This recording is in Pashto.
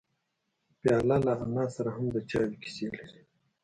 پیاله له انا سره هم د چایو کیسې لري.